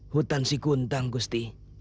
hutan sikuntang gusti